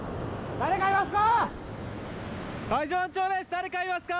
誰かいますか？